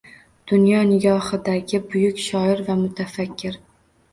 Dunyo nigohidagi buyuk shoir va mutafakkir